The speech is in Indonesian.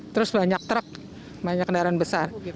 terus banyak truk banyak kendaraan besar